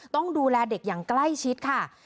ต้องดูแลเด็กอย่างใกล้ชิดค่ะ